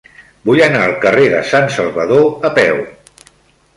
Vull anar al carrer de Sant Salvador a peu.